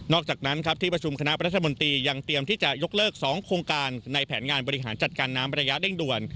อกจากนั้นครับที่ประชุมคณะรัฐมนตรียังเตรียมที่จะยกเลิก๒โครงการในแผนงานบริหารจัดการน้ำระยะเร่งด่วน